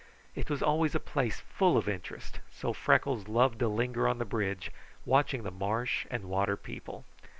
It was always a place full of interest, so Freckles loved to linger on the bridge, watching the marsh and water people.